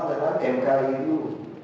dengan mki itu